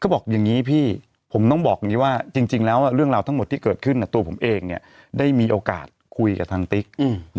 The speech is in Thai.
บอกอย่างนี้พี่ผมต้องบอกอย่างนี้ว่าจริงแล้วเรื่องราวทั้งหมดที่เกิดขึ้นตัวผมเองได้มีโอกาสคุยกับทางติ๊ก